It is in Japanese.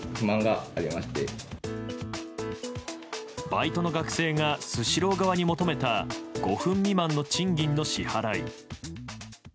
バイトの学生がスシロー側に求めた５分未満の賃金の支払い。